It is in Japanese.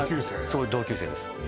そう同級生です